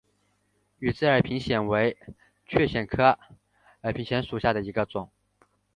羽枝耳平藓为蕨藓科耳平藓属下的一个种。